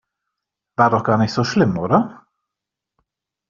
War doch gar nicht so schlimm, oder?